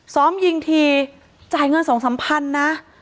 ซ้อมยิงทีจ่ายเงิน๒๐๐๐บาทนะ